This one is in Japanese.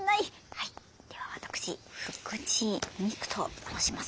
はいっでは私福池未来と申します。